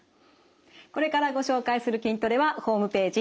これからご紹介する筋トレはホームページ